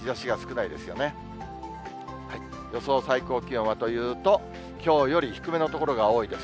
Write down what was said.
最高気温はというと、きょうより低めの所が多いです。